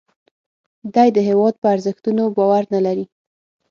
دی د هیواد په ارزښتونو باور نه لري